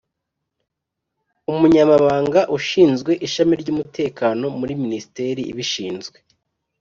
Umunyamabanga:ushinzwe ishami ry’umutekano muri ministeri ibishinzwe